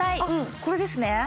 あっこれですね？